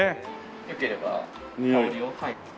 よければ香りを。